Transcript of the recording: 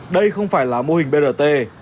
đây không phải là mô hình brt